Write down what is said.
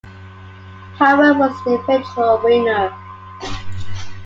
Howard was the eventual winner.